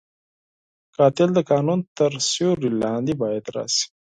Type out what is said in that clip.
قاتل د قانون تر سیوري لاندې باید راشي